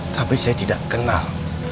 tapi saya tidak kenal